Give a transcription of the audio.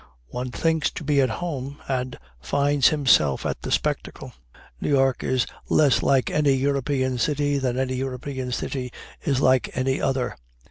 One thinks to be at home, and finds himself at the spectacle. New York is less like any European city than any European city is like any other.